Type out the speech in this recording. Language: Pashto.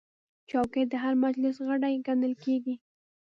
چوکۍ د هر مجلس غړی ګڼل کېږي.